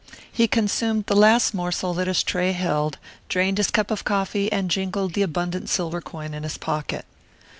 He consumed the last morsel that his tray held, drained his cup of coffee, and jingled the abundant silver coin in his pocket.